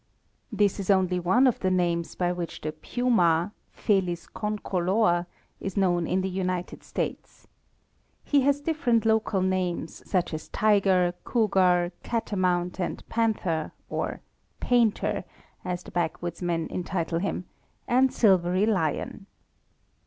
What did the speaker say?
This is only one of the names by which the puma (Felis concolor) is known in the United States. He has different local names, such as tiger, cougar, catamount and panther, or "painter," as the backwoodsmen entitle him, and silvery lion.